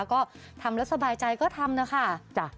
ก็ทำแล้วสบายใจก็ทำนะคะ